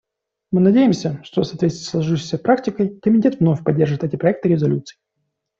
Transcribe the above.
Мы надеемся, что в соответствии со сложившейся практикой Комитет вновь поддержит эти проекты резолюций.